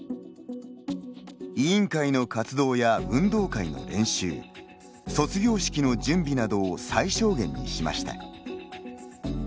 委員会の活動や運動会の練習卒業式の準備などを最小限にしました。